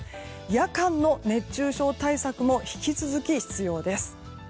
夜間の熱中症対策も引き続き必要です。